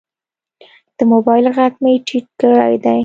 د موبایل غږ مې ټیټ کړی دی.